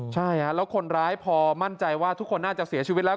ใช่แล้วคนร้ายพอมั่นใจว่าทุกคนน่าจะเสียชีวิตแล้ว